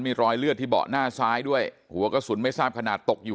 มีรอยเลือดที่เบาะหน้าซ้ายด้วยหัวกระสุนไม่ทราบขนาดตกอยู่